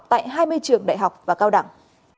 tại hai mươi trường đại học và cao đẳng